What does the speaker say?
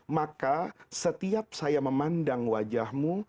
maka setiap saya memandang wajahmu